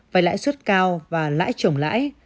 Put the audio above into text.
phải lãi suất cao và lãi trồng lãi